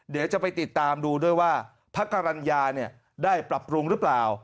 เดี๋ยวจะไปติดตามดูด้วยว่าพระกรรณญาได้ปรับปรุงหรือเปล่า